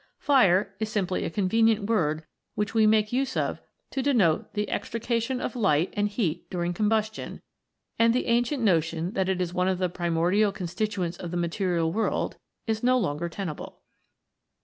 Fire is simply a con THE FOUR ELEMENTS. 33 venient word which we make use of to denote the extrication of light and heat during combustion, and the ancient notion that it is one of the primor dial constituents of the material world is no longer tenable.